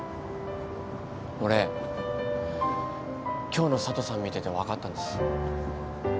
俺今日の佐都さん見てて分かったんです。